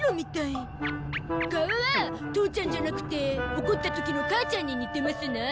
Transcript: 顔は父ちゃんじゃなくて怒った時の母ちゃんに似てますな。